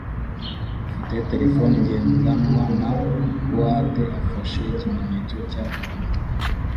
ufite terefone ngendanwa na goatee afashe ikimenyetso cya Obama